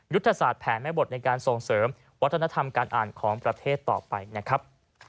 ศาสตแผนแม่บทในการส่งเสริมวัฒนธรรมการอ่านของประเทศต่อไปนะครับ